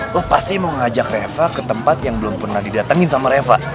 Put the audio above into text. loh pasti mau ngajak reva ke tempat yang belum pernah didatengin sama reva